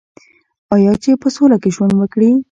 آیا چې په سوله کې ژوند وکړي؟